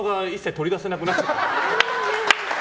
取り出せなくなっちゃって。